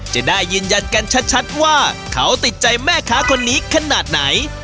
จะได้ยืนยันกันชัดว่าเขาติดใจแม่ค้าคนนี้ขนาดไหน